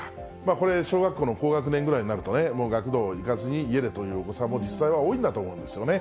これ、小学校の高学年ぐらいになるとね、もう学童行かずに、家でというお子さんも実際は多いんだと思うんですね。